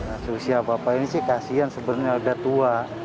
asusia bapak ini sih kasian sebenarnya udah tua